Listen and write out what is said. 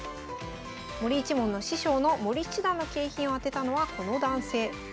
森一門の師匠の森七段の景品を当てたのはこの男性。